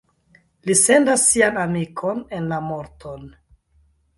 Li sendas sian amikon en la morton.